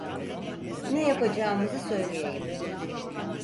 Ne yapacağımızı söyleyeyim.